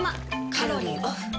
カロリーオフ。